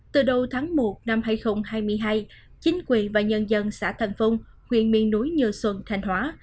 từ đầu tháng một năm hai nghìn hai mươi hai chính quyền và nhân dân xã thành phong huyện miền núi như xuân thành hóa